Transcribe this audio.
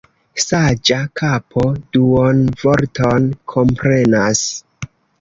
Saĝa kapo duonvorton komprenas.